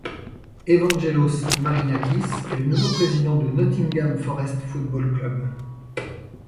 Evangelos Marinakis est le nouveau Président de Nottingham Forest Football Club.